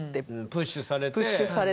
プッシュされて。